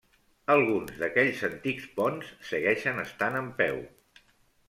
Alguns d'aquells antics ponts segueixen estant en peu.